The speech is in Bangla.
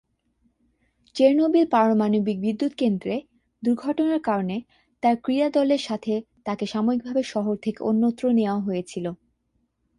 চেরনোবিল পারমাণবিক বিদ্যুৎ কেন্দ্রে দুর্ঘটনার কারণে, তার ক্রীড়া দলের সাথে তাকে সাময়িকভাবে শহর থেকে অন্যত্র নেওয়া হয়েছিল।